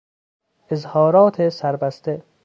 اظهارات سربسته